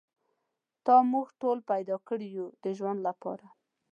تا موږ ټول پیدا کړي یو د ژوند لپاره.